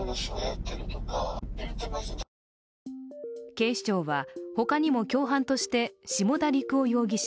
警視庁は他にも共犯として下田陸朗容疑者